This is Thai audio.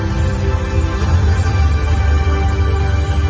มันเป็นเมื่อไหร่แล้ว